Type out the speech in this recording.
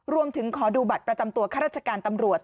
รวมถึงขอดูบัตรประจำตัวข้าราชการตำรวจ